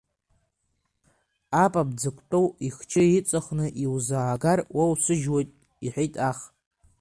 Апап дзықәтәоу ихчы иҵхны иузаагар, уоусыжьуеит, иҳәит аҳ.